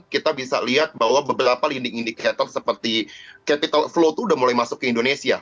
kita bisa lihat bahwa beberapa leading indicator seperti capital flow itu sudah mulai masuk ke indonesia